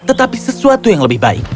tetapi sesuatu yang lebih baik